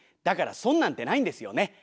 だからソンなんてないんですよね。